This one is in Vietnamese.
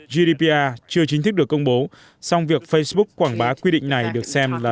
gdpr chưa chính thức được công bố song việc facebook quảng bá quy định này được xem là